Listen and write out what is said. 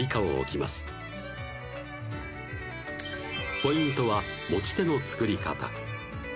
ポイントは持ち手の作り方